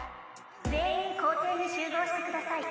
全員校庭に集合してください。